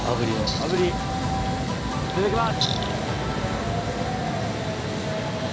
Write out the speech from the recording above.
炙りいただきます。